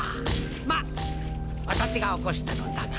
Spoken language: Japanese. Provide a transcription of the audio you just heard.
ま私が起こしたのだが。